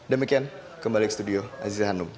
demikian kembali ke studio aziza hanum